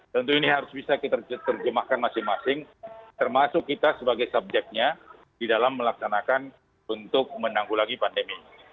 tentu ini harus bisa kita terjemahkan masing masing termasuk kita sebagai subjeknya di dalam melaksanakan untuk menanggulangi pandemi